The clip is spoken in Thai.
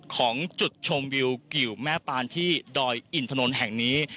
ของจุดชมวิวกิวแม่ปานที่ดอยอินถนนแห่งนี้